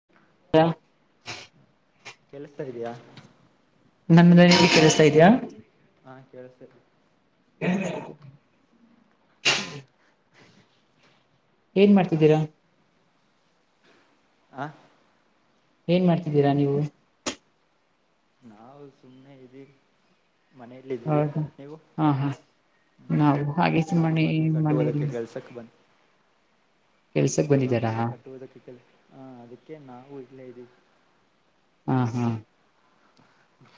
[inaudible] ಹ ಕೆಲ್ಸ್ತಾ ಇದೀಯಾ ನನ್ [unintelligible] ಕೇಳ್ಸ್ತಾ ಇದೆಯಾ ಹಾ ಕೇಳುಸ್ತಾತಿ [inaudible] ಏನ್ ಮಾಡ್ತಿದ್ದೀರಾ? ಹಾಂ ಏನ್ ಮಾಡ್ತಿದ್ದೀರಾ ನೀವು? ನಾವು ಸುಮ್ಮನೆ ಇದೀವಿ ಮನೆಯಲ್ಲಿದ್ದಿವಿ. ಹೌದ ನೀವು? ಹಾ ಹಾ ಹ್ಮ ನಾವು ಹಾಗೆ ನಮ್ಮ ಸುಮ್ಮನೆ ಮನೆ ಕಟ್ಟುವೋದಕ್ಕೆ ಮನೆಯಲ್ಲಿ ಕೆಲ್ಸಕ್ ಬನ್ನಿ. ಕೆಲ್ಸಕ್ ನಮ್ಮ ಬಂದಿದ್ದಾರಾ ಮೊನ್ನೆ ಹಾ ಕಟ್ಟುವುದಕ್ಕೆ ಕೆ ಹ ಅದಕ್ಕೆ ನಾವು ಇಲ್ಲೇ ಇದೀವಿ. ಹಾ ಹಾ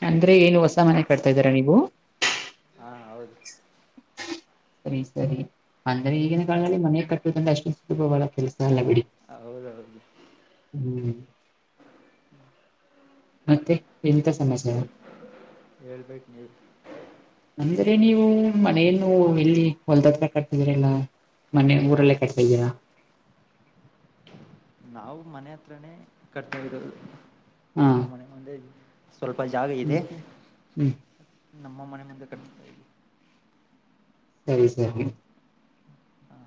ಅಂದ್ರೆ ಏನು ಹೊಸ ಮನೆ ಕಟ್ತಾ ಇದ್ದೀರಾ ನೀವು ಹಾ ಹೌದು [inaudible] ಸರಿ ಸರಿ ಅಂದ್ರೆ ಈಗಿನ ಹ್ಮ ಕಾಲದಲ್ಲಿ ಮನೆ ಕಟ್ಟುದ್ರೆ ಅಷ್ಟೊ ಸಿಗ್ಬವಲ್ಲ ಕೆಲ್ಸ ಎಲ್ಲ ಬಿಡಿ. ಹೌದೌದ್ರಿ ಹ್ಮ್ ಮತ್ತೆ ಎಂತ ಸಮಚರ ಹೇಳ್ಬೇಕು ನೀವ್ ಅಂದ್ರೆ ನೀವು ಮನೆಯನು ಎಲ್ಲಿ ಹೊಲದ ಹತ್ರ ಕಟ್ತಿದ್ರಲ್ಲ ಮನೆೆ ಊರಲ್ಲೇ ಕಟ್ತಾಇದಿರಾ ನಾವು ಮನೆ ಹತ್ರನೇ ಕಟ್ತಾ ಇರೋದು ಹಾ ನಮ್ಮ ಮನೆ ಮುಂದೆ ಇ ಸ್ವಲ್ಪ ಜಾಗ ಹ್ಮ್ ಇದೆ ಹ್ಮ್ ನಮ್ಮ ಮನೆ ಮುಂದೆ ಕಂ ಸರಿ ಸರಿ ಹಾ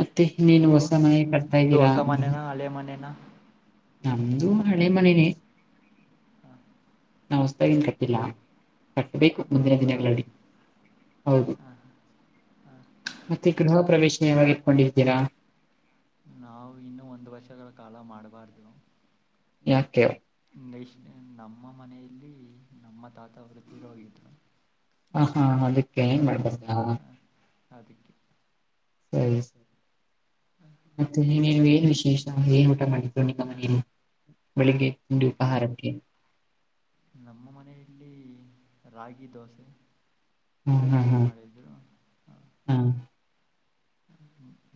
ಮತ್ತೆ ಇನ್ನೇನು ನೀವು ಹೊಸ ಮನೆ ಕಟ್ತಾ ನಿಮ್ದು ಇದ್ದೀರಾ ಹೊಸ ಮನೆನಾ ಹಳೆ ಮನೇನ ನಮ್ದು ಹಳೆ ಮನೆನೆೇ ಹಾಂ [inaudible] ನವ್ ಹೊಸತಾಗಿನ್ ಕಟ್ಟಿಲ್ಲ ಕಟ್ಟಬೇಕು ಮುಂದಿನ ಹೌದಾ ದಿನಗಳಲ್ಲಿ ಹೌದು ಹಾಂ ಹಾಂ ಮತ್ತೆ ಗೃಹ ಪ್ರವೇಶನ ಯಾವಾಗ ಇತ್ಕೊಂಡಿರ್ತೀರಾ? ನಾವು ಇನ್ನು ಒಂದು ವರ್ಷಗಳ ಕಾಲ ಮಾಡಬಾರ್ದು. ಯಾಕ್ಯೋ [unintelligible] ನಮ್ಮ ಮನೆಯಲ್ಲಿ ನಮ್ಮ ತಾತ ಅವರು ತೀರ್ ಹೋಗಿದ್ರು ಹ ಹಾ ಅದಕ್ಕೆ ಮಾಡಲ್ವಾ ಅಧಕ್ಕೆ [unintelligible] ಮತ್ತೆ ನೀವು ಏನ್ ವಿಶೇಷ ಏನ್ ಊಟ ಮಾಡಿದ್ರು ನಿಮ್ಮ ಮನೆಯಲ್ಲಿ ಬೆಳಿಗ್ಗೆ ತಿಂಡಿ ನಮ್ಮ ಉಪಹಾರಕ್ಕೆ ನಮ್ಮ ಮನೆಯಲ್ಲಿ ರಾಗಿ ದೋಸೆ ಹ್ಮ್ ಹ್ಮ್ ಹ್ಮ್ ಹ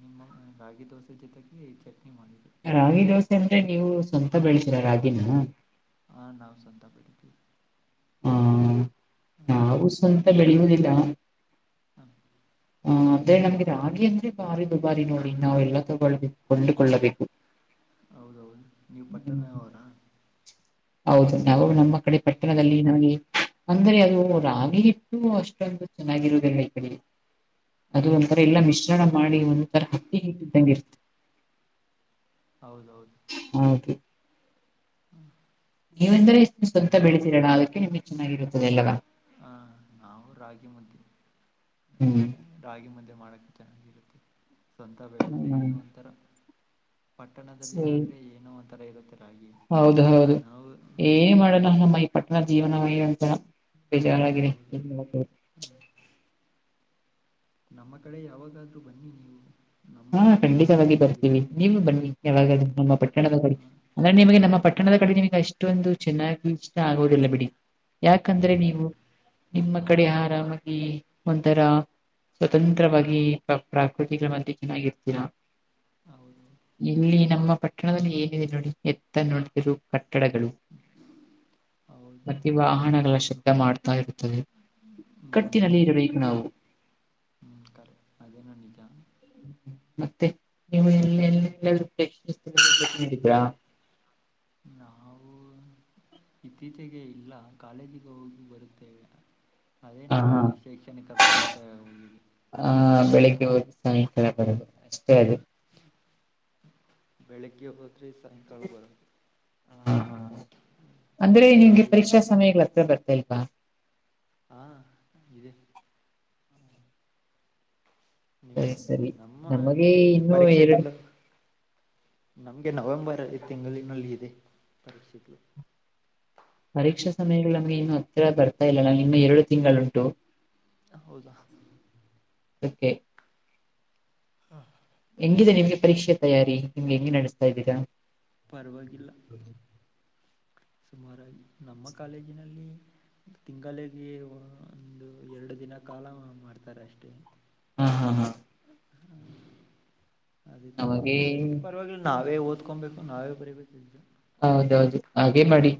ನಿಮ್ಮ ರಾಗಿ ದೋಸೆ ಜೊತೆಗೆ ಚಟ್ನಿ ಮಾಡರು ರಾಗಿ ದೋಸೆ ಅಂದ್ರೆ ನೀವು ಸ್ವಂತ ಬೆಳೆಸರ ರಾಗಿನ ಹಾ ನಾವು ಸಂತಾಪೇಟ್ಟಿದ್ದೀವಿ ಹಾ ನಾವು ಸ್ವಂತ ಬೆಳೆಯುದಿಲ್ಲ ಹ ಹ ಆದದ್ರೆ ನಮ್ಗೆ ರಾಗಿ ಅಂದ್ರೆ ಬಾರಿ ದುಬಾರಿ ನೋಡಿ ನಾವ ಎಲ್ಲಾ ತಗೊಳ್ಬೇಕು ಕೊಂಡುಕೊಳ್ಳಬೇಕು ಹೌದೌದು ನೀ ಹ್ಮ್ ಹೌದು ನಾವು ನಮ್ಮ ಕಡೆ ಹಾಂ ಪಟ್ಟಣದಲ್ಲಿ ನಗೆ ಅಂದ್ರೆ ಅದು ರಾಗಿ ಹಿಟ್ಟು ಅಷ್ಟೊಂದು ಚೆನ್ನಾಗಿರುವುದಲ್ಲ ಈ ಕಡೆ ಅದು ಒಂಥರ ಹಾಂ ಎಲ್ಲಾ ಮಿಶ್ರಣ ಮಾಡಿ ಒಂಥರ ಹಕ್ಕಿ ಹಟ್ಟಿದ್ದಂಗೆ ಇರ್ತದೆ ಹೌದೌದು ಹೌದು ಹ್ಮ್ ನೀವೆಂದ್ರ ಇಷ್ಟ ಸ್ವಂತ ಬೆಳೀತಿರೋಣ ಅದಕ್ಕೆ ನಿಮ್ಗೆ ಚೆನ್ನಾಗಿರುತ್ತದೆ ಎಲ್ವಾ ಹ ನಾವು ರಾಗಿ ಮುದ್ದೆ ಹ್ಮ್ ರಾಗಿ ಮದೆ ಮಾಡಕ ಚೆನ್ನಾಗಿರುತ್ತೆ ಸ್ವಂತ ಬೆಡುತ್ತೆ ಹ್ಮ್ ಒಂಥರ ಪಟ್ಟಣದಲ್ಲಿ ಆದ್ರೆ ಏನೋ ಒಂಥರ ಇರುತ್ತೆ ರಾಗಿ ಹೌದ ಹೌದು ನಾವು ಏನ್ ಮಾಡೋಣ ನಮ್ಮ ಈ ಪಟ್ಟಣದ ಜೀವನವಹ ಅಂತ ಚನ್ನಾಗಿದೆ ಹೌದು ನಮ್ಮ ಕಡೆ ಯಾವಾಗಾದ್ರೂ ಬನ್ನಿ ನೀವು ನಮ್ಮ ಹಾ ಮುದ್ದೆ ಖಂಡಿತವಾಗಿ ಮಾಡಿಕೊಡ್ತೀವಿ ಬರ್ತೀವಿ ನೀವು ಬನ್ನಿ ಹಾಂ ಯಾವಾಗೂ ನಮ್ಮ ಹಾಂ ಪಟ್ಟಿ ಪಟ್ಟಣದ ಕಡೆ ಹಾಂ ಅಂದ್ರೆ ನಿಮಗೆ ನಮ್ಮ ಪಟ್ಟಣದ ಕಡೆ ನಿಮಗೆ ಅಷ್ಟೊಂದು ಚೆನ್ನಾಗಿ ಆಗೋುದಿಲ್ಲ ಬಿಡಿ ಯಾಕಂದ್ರೆ ಹೌದು ನೀವು ನಿಮ್ಮ ಕಡೆ ಆರಾಮಾಗಿ ಒಥರ ಸ್ವತಂತ್ರವಾಗಿ ಪ್ರ ಪ್ರಾಕೃತಗಳ ಮಧ್ಯ ಚೆನ್ನಾಗಿರ್ತೀರ ಹೌದು ಇಲ್ಲಿ ನಮ್ಮ ಪಟ್ಟಣದಲ್ಲಿ ಏನಿದೆ ನೋಡಿ ಎತ್ತ ನೋಡಿದರು ಕಟ್ಟಡಗಳು ಹೌದು ಮ ವಾಹನಗಳ ಶುದ್ದ ಮಾಡ್ತಾ ಇರುತ್ತದೆ ಹ್ಞೂ ಕಟ್ಟಿನಲ್ಲಿ ಇರಬೇಕು ನಾವು ಹ್ಮ ಕರೆಕ್ ಅದೇ ನ ನಿಜ ಮತ್ತೆ ನೀವು ಎ ಎಲ್ಲೇಿದೀರಾ ನಾವು ಇತ್ತೀಚೆಗೆ ಇಲ್ಲ ಕಾಲೇಜಿಗೆ ಹೋಗಿ ಬರುತ್ತೇವೆ ಅದೇ ಹ ನಮ್ಮ ಶೈಕ್ಷಣಿಕ ಪ್ರವೇಶಿದೆ ಹ ಬೆಳಿಗ್ಗೆ ಹದಿ ಸಾಯಂಕಾಲ ಬರದು ಅಷ್ಟೇ ಅದ ಬೆಳಿಗ್ಗೆ ಹೋಗೋದರೆ ಸಾಯಂಕಾಲ ಬರೋದು ಹ ಅಂದ್ರೆ ನಿಮ್ಗೆ ಕಾಲೇಜಿರು ಪರೀಕ್ಷಾ ಸಮಯಗಳ ಹತ್ರ ಬರ್ತಲ್ವಾ ಹಾ ಇದೆ ಸರಿ ನಿಂಗೆ ಸರಿ ನಮಗೆ ನಮ್ಮೆ ಇನ್ನುೂ ಎರಡು ಪರೀಕ್ಷೆೆಗೆಲ್ಲ ನಮ್ಗೆ ನವೆಂಬರ್ ತಿಂಗಳಿನಲ್ಲಿ ಇದೆ ಪರೀಕ್ಷೆಗಳು ಪರೀಕ್ಷಾ ಸಮಯಗಳು ನಮಗೆ ಇನ್ನುೂ ಹತ್ತತ್ರ ಬರ್ತಾ ಇಲ್ಲಲ್ಲ ನಿಮ್ಮ ಎರಡು ತಿಂಗಳುಂಟು ಹೌದಾ ಅಕ್ಕೆೆ ಹಾಂ ಹೆಂಗಿದೆ ನಿಮ್ಗೆ ಪರೀಕ್ಷೆ ತಯಾರಿ ನಿಮ್ಗೆ ಹೆಂಗಗೆ ನಡೆಸ್ತಾ ಇದ್ದೀರಾ ಪರ್ವಾಗಿವಾಗಿಿಲ್ಲ ಸುಮಾರುಾಗಿ ನಮ್ಮ ಕಾಲೇಜಿನಲ್ಲಿ ತಿಂಗಳಿಗೆ ಒಂದು ಎರಡು ದಿನ ಕಾಲ ಮಾಡ್ತಾರೆ ಅಷ್ಟೆ ಹಾ ಹಾ ಹಾ ಹ್ಮ ಅದಕ್ಕೆ ನಮಗೆ ಎಲ್ಲಿ ಪರವಾಗಿಲ್ಲ ನಾವೇ ಓದ್ ಇಕೊಬೇಕು ನಾವೇ ಬರಬೇಕು್ದ ಹೌದೌದು ಹಾಗೆ ಮಾಡಿ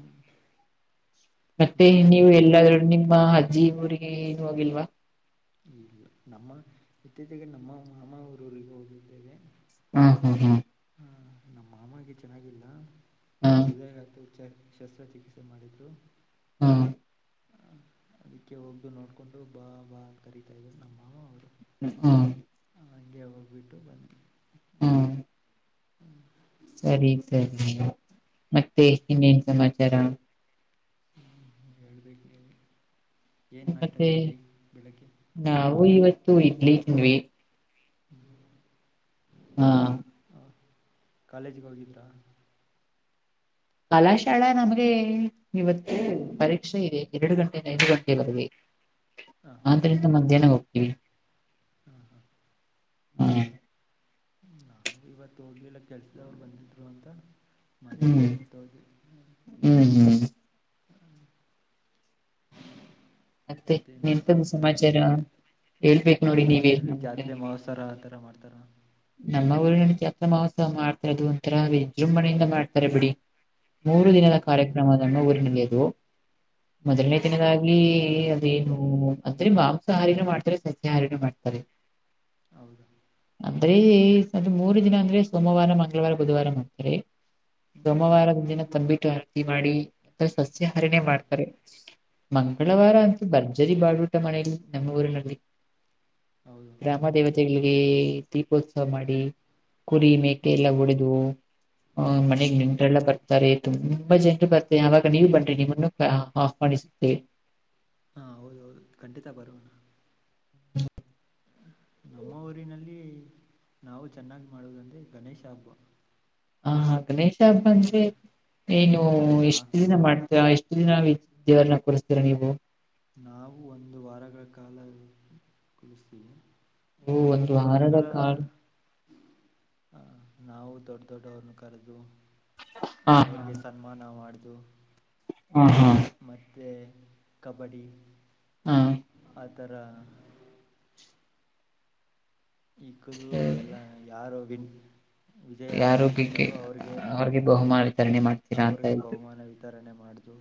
ಮತ್ತೆ ನಿಮ್ಮ ನೀವು ಎಲ್ಲಾದೂ ಕಾಲೇಜಿನಲ್ಲಿ ನಿಮ್ಮ ಅಜ್ಜಿ ಊರಿಗೆ ಏನು ಹೋಗಲ್ವಾ ಇ ನಮ್ಮ ಇತ್ತಚೆಗೆ ನಮ್ಮ ಮಾಮವರವ್ರಿಗೆ ಹೋಗಿದ್ದೇವೆ ಹಾ ಹಾ ಹ್ಮ್ ಹ ನಮ್ಮ ಮಾಮಗೆ ಚೆನ್ನಾಗಿಲ್ಲ ಹಾ ಜಾಗ ಆತ ಶಸ್ತ್ರಚಿಕಿತ್ಸೆ ಮಾಡ್ರು ಹಾ ಅದಕ್ಕೆ ಹೋಗ್ದು ನೋಡ್ಕೊಂಡು ಬಾ ಬಾ ಕರತಾ ಇದರು ನಮ್ಮ ಮಾವ ಅವರು ಹ್ಮ ಹಗೆ ಹೋಗ್ಬಿಟ್ಟು ಬನ್ನಿ ಹಾ ಹ್ಮ್ ಸರಿ ಸರಿ ಮತ್ತೆ ಇನ್ನೇನ್ ಸಮಾಚಾರ ಹ್ಮ ಹೇಳ್ಬೇಕ ನೀ ಮತ್ತೆ ಬೆಳಗ್ಗೆ ನಾವು ಇವತ್ತು ಇಡ್ಲಿ ತಿಿಂದ್ವಿ ಹ ಹಾ ಹಾ ಕಾಲೇಜ ಹೋಗಿದ್ದರ ಕಲಾಶಾಲಾ ನಮಗೆ ಇವತ್ತು ಪರೀಕ್ಷೆದೆ ಎರಡು ಗಂಟೆಯಿಂದ ಐದು ಗಂಟೆವರೆಗೆ ಹಾಂ ಆದ್ದರಿಂದ ಮಧ್ಯಾಹ್ನ ಹೋಗ್ತಿವಿ ಹಾ ಹಾ ಹ್ಮ ನಾನು ಇವತ್ತು ಹೋಗ್ಲಿಲ್ಲ ಕೆಲ್ಸದವ್ರು ಬಂದಿದ್ರು ಅಂತ ಹ್ಮ್ ಮನೆಯಲ್ಲಿ ನೇನು ತ ಹ್ಮ್ ಹ್ಮ್ ಮತ್ತೆ ಎಂತ ಸಮಾಚಾರ ಹೇಳ್ಬೇಕು ನೋಡಿ ನಿಮ್ಮ ನೀವೇ ಊರಿನಲ್ಲಿ ನಮ್ಗೆ ಜಾತ್ರೆ ಮಹೋತ್ಸರ ಇತರ ಥರ ಮಾಡ್ತಾರಾ ನಮ್ಮ ಊರಿ ಜಾತ್ರಾ ಮಹೋತ್ಸವ ಮಾಡ್ತಾರೆ ಅದು ಒಂಥರ ವಿಜೃಂಭಣೆಯಿಂದ ಮಾಡ್ತಾರೆ ಬಿಡಿ ಮೂರು ದಿನದ ಹೌದಾ ಕಾರ್ಯಕ್ರಮನ್ನು ಊರಿನಲ್ಲಿದು ಹ್ಞೂ ಮೊದಲನೇ ದಿನದ ಅದೇನು ಅಂದ್ರೆ ಮಾಂಸಹಾರಿನ ಮಾಡ್ತಾರೆ ಸತ್ಯ ಹಾರಿನ ಮಾಡ್ತಾರೆ ಹೌದಾ ಅದ್ರೆ ಅದು ಮೂರು ದಿನ ಅಂದ್ರೆ ಸೋಮವಾರ ಮಂಗಳವಾರ ಬುಧವಾರ ಮಾಡ್ತರಿ ಹ್ಞೂ ಹ್ಞೂ ಸೋಮವಾರದ ದಿನ ತಂಬಿಟ್ಟು ಆರತಿ ಮಾಡಿ ಸಸ್ಯಹಾರಿನೇ ಹ್ಞೂ ಮಾಡ್ತಾರೆ ಹ್ಞೂ ಮಂಗಳವಾರ ಅಂತ ಭರ್ಜರಿ ಬಾಳ್ಬಟ ಮನೆಯಲ್ಲಿ ನಮ್ಮ ಊರಿನಲ್ಲಿ ಹೌದು ಹೌದು ಗ್ರಾಮ ದೇವತೆಗಳಿಗೆ ದೀಪೋತ್ಸವ ಮಾಡಿ ಕುರಿ ಮೇಕೆ ಹ್ಞೂ ಎಲ್ಲಾ ಹೊಡೆದು ಹ ಹ್ಞೂ ಮನೆಗ್ ನೆಟ್ರೆಲ್ಲ ಬರ್ತಾರೆ ತುಂಬಾ ಜನ್ರು ಬರ್ತಾರೆ ಅವವಾಗ ನೀವು ಬನ್ನಿರಿ ನಿಮ್ಮನ್ನು ಹಾಫ್ ಮಾಡಾಣಿ ಸಿತ ಹಾ ಹೌದು ಹೌದು ಖಂಡಿತ ಬರೋಣ ಹ್ಮ ನಮ್ಮ ಊರಿನಲ್ಲಿ ನಾವು ಚೆನ್ನಾಗಿ್ ಮಾಡುವುದಂದ್ರೆ ಗಣೇಶ ಹಬ್ಬ ಹ ಹ ಗನೇಶ ಹಬ್ ಅಂದರಿ ನೀಏನು ನಾ ಇಷ್ಟು ದಿನ ಮಾಡ್ತೀರಾ ಎಸ್ಟು ದಿನ ದೇವರನ್ನು ಕೊರಿಸ್ತೀರ ನೀವು ನಾವು ಒಂದು ವಾರಗಳ ಕಾಲ ಕುರ್ಸ್ತಿವಿ ಓ ಒಂದು ಒಂದೊಂದು ವಾರದ ವಾರಗಳ ಕಾಲ ನಾವು ದೊಡ್ಡ ದೊಡ್ಡವರನ್ನು ಕರೆದು ಹಾ ಅವ್ರಿಗೆ ಸನ್ಮಾನ ಮಾಡೋದು ಹ ಹಾ ಮತ್ತು ಕಬಡ್ಡಿ ಹಾ ಆಥರ ಈಗದು ಎಲ್ಲ ಯಾರು ವಿನ್ ಯಾರು ಗೆ ವಿಜಯರಾಗಿರ್ತಾರೋ ಅವ್ರಿಗೆ ಬಹುಮಾನ ವಿತರಣೆ ಮಾಡಿತೀವಿ ಅವರಿಗೆ ಬಹುಮಾನ ವಿತರಣೆ ಮಾಡದು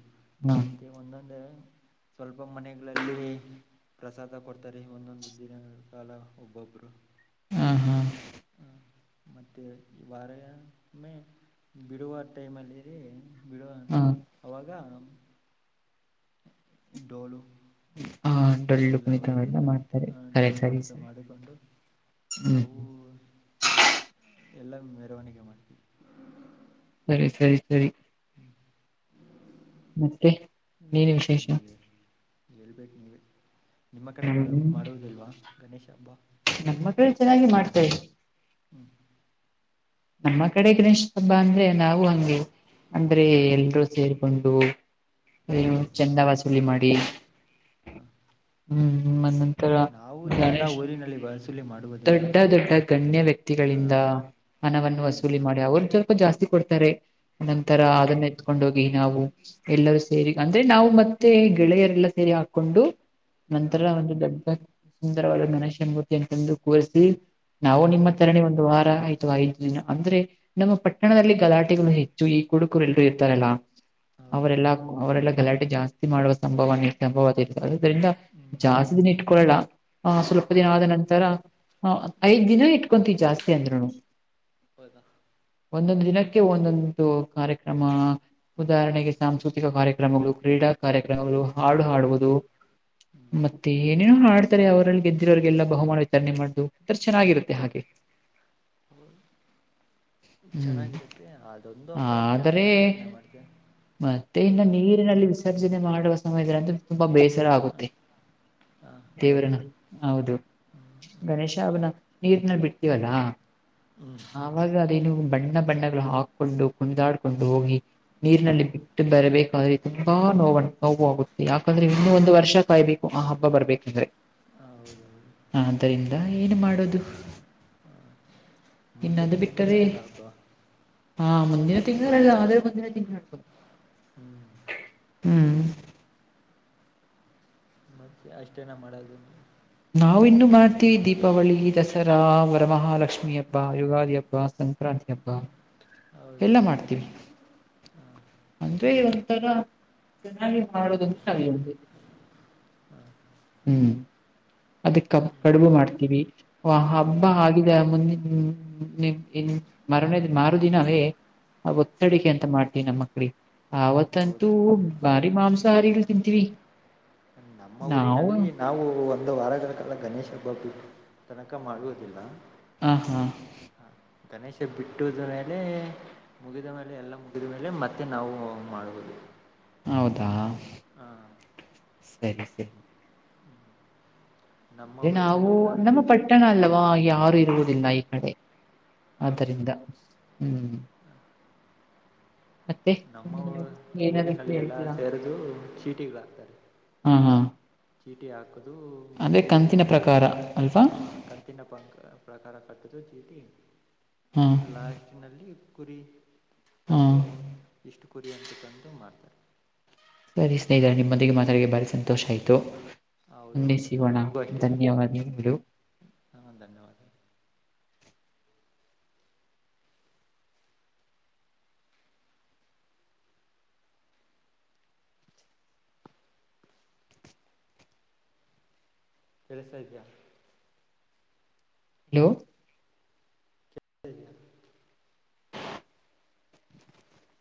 ಹಾ ಮತ್ತು ಒಂದೊಂದೇ ಸ್ವಲ್ಪ ಮನೆಗಳಲ್ಲಿ ಪ್ರಸಾದ ಕೊಡ್ತಾರೆ ಒಂದೊಂದು ದಿನ ಕಾಲ ಒಬ್ಬೊಬ್ರು ಹಾ ಹಾ ಮತ್ತೆ ವಾರಮ್ಮೆ ಬಿಡುವ ಟೈಮ್ ಅಲ್ಲಿ ಅದೇ ಬಿಡುವ ಹಾ ಅವಾಗ ಡೋಲು ಹಾ ಡೊಳ್ಳು ಎಲ್ಲ ಕುಣಿತವೆಲ್ಲ ಒಳಗಿನ ಮಾಡ್ತಾರೆ ಸರಿ ಡೋಲು ಸರಿ ಕುಣಿತ ಸರಿ ಮಾಡಿಕೊಂಡು ಹ್ಮ್ ನಾವು ಎಲ್ಲ ಮೆರವಣಿಗೆ ಮಾಡ್ತೀವಿ ಸರಿ ಸರಿ ಸರಿ ಹ್ಮ್ ಮತ್ತೆ ಏನು ವಿಶೇಷ ಹೇಳ್ಬೇಕು ನೀವ ನಿಮ್ಮ ಕಡೆ ಮಾಡ ನಮ್ಮ ಮಾಡುವುದಿಲ್ವಾ ಗಣೇಶ ಹಬ್ಬ ನಮ್ಮ್ ಮಟ್ಟಲ್ಲಿ ಚೆನ್ನಾಗಿ ಮಾಡ್ತಾ ಹ್ಮ್ ನಮ್ಮ ಕಡೆ ಗಿನೇಶ ಹಬ್ಬ ಅಂದ್ರೆ ನಾವು ಹಂಗಗೆ ಅಂದ್ರೆ ಹ್ಮ್ ಎಲ್ರೂ ಸೇರ್ಕೊಂಡು ಚಂದ ವಸೂಲಿ ಮಾಡಿ ಹಾ ಹ್ಮ್ ಮ ನಾವು ಚಂದ ಊರಿನಲ್ಲಿ ಬಸೂಲಿ ಮಾಡ ದೊಡ್ಡ ದೊಡ್ಡ ಗಣ್ಯ ವ್ಯಕ್ತಿಗಳಿಂದ ಹನವನ್ನು ಅನ್ನ ವಸೂಲಿ ಮಾಡಿ ಅವ್ರ್ದು ತಪ ಜಾಸ್ತಿ ಕೊಡ್ತಾರೆ ನಂತರ ಹ್ಮ್ ಅದನ್ನ ಹಾಕೊಂಡೋಗಿ ನಾವು ಎಲ್ಲರೂ ಸೇರಿ ಅಂದ್ರೆ ನಾವು ಮತ್ತೆ ಗೆಳೆಯರೆಲ್ಲ ಸೇರಿ ಹಾಕೊಂಡು ಹಾ ನಂತರ ಒಂದು ದೊಡ್ಡ ಸುಂದರವಾದ ಮಣಷ್ಯನ್ಮೂರ್ತಿ ಅಂತಂದು ಕೂರಿಸಿ ನಾವು ನಿಮ್ಮ ಹ್ಮ್ ತರಣಿ ಒಂದು ವಾರ ಆಯ್ತ ವಾ ದಿನ ಅಂದ್ರೆ ನಮ್ಮ ಪಟ್ಟಣದಲ್ಲಿ ಗಲಾಟೆಗಳು ಹೆಚ್ಚು ಈ ಕುಡುಕುರು ಎಲ್ಲರು ಇರ್ತಾರಲ್ಲ ಹೌದು ಅವರೆಲ್ಲಾ ಅವರೆಲ್ಲ ಗಲಾಟೆ ಜಾಸ್ತಿ ಮಾಡುವ ಸಂಭವ ಸಂಭವ ಅದ್ರಿಂದ ಹ್ಮ್ ಜಾಸ್ತಿ ಇಟ್ಕೊೊಳ್ಳಲ್ಲ ಹ ಸ್ವಲ್ಪ ದಿನ ಹ್ಮ್ ಆದ ನಂತರ ಐದ್ ದಿನ ಇಟ್ಕೊಂತೀ ಜಾಸ್ತಿ ಅಂದ್ರು ಹೌದ ಒಂದೊಂದು ದಿನಕ್ಕೆ ಒಂದೊಂದು ಕಾರ್ಯಕ್ರಮ ಉದಾಹರಣೆಗೆ ಸಾಂಸ್ಕೃತಿಕ ಕಾರ್ಯಕ್ರಮಗಳು ಕ್ರೀಡಾ ಕಾರ್ಯಕ್ರಮಗಳು ಹಾಡು ಹಾಡುವುದು ಹ್ಮ್ ಹ್ಮ್ ಮತ್ತೆ ಏನೇನೋ ಆಡ್ತಾರೆ ಅವ್ರಲ್ಲಿ ದಿರೋರಿಗೆಗೆಲ್ಲ ಬಹುಮ ಮಾಡ ರಣಿ ಮಾಡ್ದದು ಒ ಚೆನ್ನಾಗಿರುತ್ತೆ ಹಾಗೆ ಹೌ ಹ್ಮ್ ಚೆನ್ನಾಗಿರುತ್ತೆ ಅದೊಂದು ಹಬ್ಬ ಚೆನ್ನಾಗಿ ಆದರೆ ಆಚರಣೆ ಮಾಡ್ತೆ ಮತ್ತೆ ಇನ್ನು ನೀರಿನಲ್ಲಿ ವಿಸರ್ಜನೆ ಮಾಡುವ ಸಮಯದ ತುಂಬಾ ಬೇಸರ ಆಗುತ್ತೆ ಹಾಂ ಹೌದಾ ದೇವ್ರನ್ನು ಹೌದು ಗಣೇಶ ಹ್ಞೂ ಅವಬ್ನ ನೀರ್ನಲ್ಲಿ ಬಿಡ್ತೀವಲ್ಲಾ ಹ್ಮ್ ಆಾಗ ಅದೇನು ಬಣ್ಣ ಬಣ್ಣಗಳು ಹಾಕೊಂಡು ಕುಣ್ದಾಡ್ಕೊಂಡು ಹೋಗಿ ಹ್ಞೂ ನೀರಿನಲ್ಲಿ ಬಿಟ್ಟು ಬರಬೇಕಾದ್ರೆ ತುಂಬಾ ನೋವ ನೋವು ಆಾಗುತ್ತೆ ಯಾಕಂದ್ರೆ ಇನ್ನು ಒಂದು ವರ್ಷ ಕಾಯಬೇಕು ಆ ಹಬ್ಬ ಬರ್ಬೇಕಂದ್ರೆ ಹ ಹೌದೌದು ಹ ಆದ್ದರಿಂದ ಏನು ಮಾಡೋದು ಹ್ಮ ಇನ್ನ ಅದು ಬಿಟ್ಟರೆ ಹಾ ಮುಂದಿನ ತಿಂ ಆದರೆ ಮುಂದಿನ ತಿಂಳಕ ಹ್ಮ್ ಹ್ಮ್ ಮತ್ತೆ ಅಷ್ಟೇನ ಮಾಡೋದು ನಾವವು ಇನ್ನು ಮಾಡ್ತೀವಿ ನಮ್ಮ ದೀಪಾವಳಿ ದಸರಾ ರಾಮರಮಹಾಲಕ್ಷ್ಮಿ ಹಬ್ಬ ಯುಗಾದಿ ಹಬ್ಬ ಸಂಕ್ರಾಂತಿ ಹಬ್ಬ ಹಾಂ ಎಲ್ಲ ಹೌದೌದು ಮಾಡ್ತೀವಿ ಹಾಂ ಅಂದ್ರೆ ಒಂಥರ ಚೆನ್ನಾಗಿ ಮಾಡುದ ನಾವವಿ ಹಾಂ ಹ್ಮ್ ಅದ ಕ ನಮ್ಮ ಕಡುಬು ಮಾಡ್ತೀವಿ ಹ ಹಬ್ಬ ಹಾಂ ಆಗಿದ ಮುಂದಿನ ನಿನ್ ಮರನೇದ ಮಾರದಿನವೇ ಆ ಹಾಂ ಒತ್ತಡಿಗೆ ಅಂತ ಮಾಡ್ತಿವಿ ನಮ್ಮಕ್ಳಿಗೆ ಆವತ್ತಂತೂ ಹೌದಾ ಬಾರಿ ಮಾಂಸಾಹಾರಿಲ್ ತಿಂತೀವಿ ನಮ್ಮ ನಾವು ಊರಿನಲ್ಲಿ ನಾವು ಒಂದು ವಾರಗಳ ಕಾಲ ಗಣೇಶ ಹಬ್ಬ ತನಕ ಮಾಡುವುದಿಲ್ಲ ಆ ಹಾ ಹಾಂ ಗಣೇಶ ಬಿಟ್ಟದ ಮೇಲೆ ಮುಗಿದ ಮೇಲೆ ಎಲ್ಲ ಮುಗಿದ ಮೇಲೆ ಮತ್ತೆ ನಾವು ಮಾಡುವುದು ಹೌದಾ ಹಾಂ ಸರಿ ಸರಿ ನಮ್ಮ ಅೆ ನಾವು ಊರಿನಲ್ಲಿ ಎಲ್ಲರೂ ನಮ್ಮ ದುಡ್ಡು ಪಟ್ಟ ಕಟ್ಟಣ ಅಲ್ವಾ ಯಾರು ಇರುವುದಿಲ್ಲ ಈ ಕಡೆ ಹಾಂ ಹೌದು ಆದ್ದರಿಂದ ಹ್ಮ್ ಮತ್ತೆ ನಮ್ಮ ನೀವು ಏನಾದ್ರು ಊರಿನಲ್ಲಿ ಎಲ್ಲ ಹೇಳ್ತೀರಾ ಸೇರದು ಚೀಟಿಗಳಾಗ್ತಾರೆ ಹಾ ಹಾ ಚೀಟಿ ಹಾಕದು ಅಂದ್ರೆ ಮತ್ತೆ ಕಂತಿನ ಒನ್ ಪ್ರಕಾರ ಅಲ್ವಾ ಕಂತಿನ ಪಂಕ್ ಪ್ರಕಾರ ಕಟ್ಟದು ಚೀಟಿ ಹಾ ಲಾಸ್ಟಿನಲ್ಲಿ ಕುರಿ ಹಾ ತಂದು ಇಷ್ಟು ಕುರಿ ಅಂತ ತಂದು ಮಾಡ್ತಾರೆ. ಸರಿ ಸ್ನೇಹಿತರ ನಿಮ್ಮೊಂದಿಗೆ ಮಾತಾಡ ಭಾರಿ ಸಂತೋಷ ಆಯಿತು. ಹೌದ ಒಮ್ಮೆ ಹೌದು ಸಿಗೋಣ ನಮಗೂ ಅಷ್ಟೇ ಹ್ ಧನ್ಯವಾದಗಳು ಹಾ ಧನ್ಯವಾದಗಳು. ಕಳ್ತಾ ಇದಯಾ, ಹಲೋ. ಹ. ಹೇಳಿ.